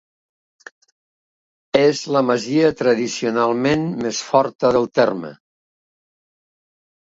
És la masia tradicionalment més forta del terme.